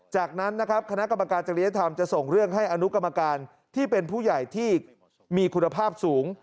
จากนั้นนะครับคณะกรรมการจริยธรรมจะส่งเรื่องให้อนุกรรมการที่เป็นผู้ใหญ่ที่มีคุณภาพสูง